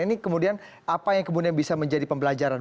ini kemudian apa yang kemudian bisa menjadi pembelajaran